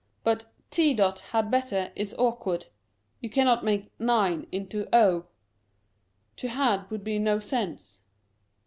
But A had better is awkward ; you cannot make 9 into ;* to had,' would be no sense."